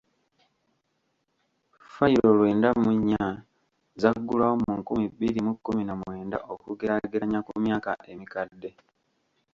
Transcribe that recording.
Fayiro lwenda mu nnya zaggulwawo mu nkumi bbiri mu kkumi na mwenda okugeraageranya ku myaka emikadde.